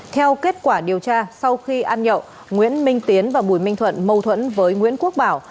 theo kết quả điều tra sau khi ăn nhậu nguyễn minh tiến và bùi minh thuận mâu thuẫn với nguyễn quốc bảo